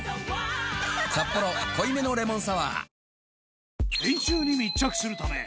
「サッポロ濃いめのレモンサワー」